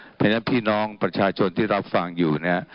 เพราะฉะนั้นพี่น้องประชาชนที่รับฟังอยู่เนี่ย